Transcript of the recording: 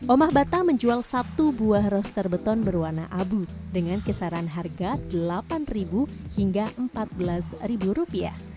om abad menjual satu buah roster beton berwarna abu dengan kisaran harga delapan hingga empat belas rupiah